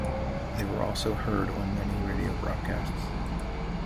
They were also heard on many radio broadcasts.